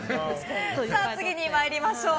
次に参りましょう。